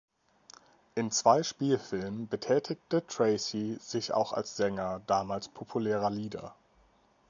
In zwei Spielfilmen betätigte Tracy sich auch als Sänger damals populärer Lieder.